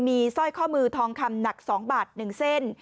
มีสร้อยข้อมือทองคำหนัก๒บาท๑เส้น